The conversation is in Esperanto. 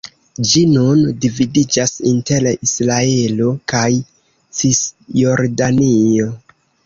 Ĝi nun dividiĝas inter Israelo kaj Cisjordanio.